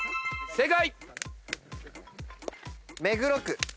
正解！